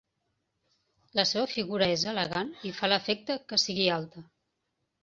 La seva figura és elegant i fa l'efecte que sigui alta.